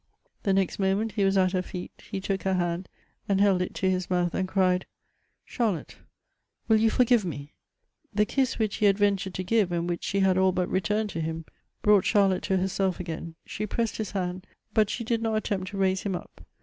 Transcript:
The next moment he was at her feet : he took her hand, and held it to his mouth, and cried, " Charlotte, will you forgive me ?" The kiss which he had ventured to give, and which she had all but returned to him, brought Charlotte to herself again — she pressed his hand — but she did not attempt to raise him up.